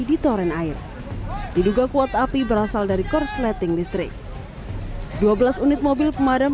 ditoren air diduga kuat api berasal dari kursleting listrik dua belas unit mobil pemadam